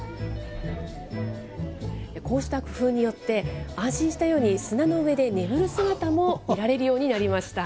こうした工夫によって、安心したように砂の上で眠る姿も見られるようになりました。